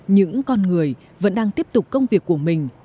những con người vẫn đang tiếp tục công việc của mình